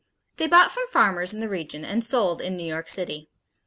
They bought from farmers in the region and sold in New York City.